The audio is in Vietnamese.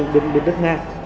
bên đất nga